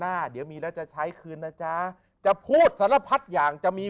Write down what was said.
หน้าเดี๋ยวมีแล้วจะใช้คืนนะจ๊ะจะพูดสารพัดอย่างจะมี